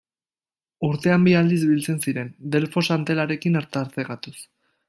Urtean bi aldiz biltzen ziren, Delfos Antelarekin tartekatuz.